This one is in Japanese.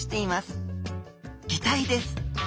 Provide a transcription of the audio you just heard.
擬態です。